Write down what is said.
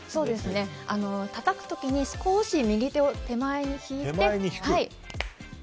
たたくとき少し右手を手前に引いて。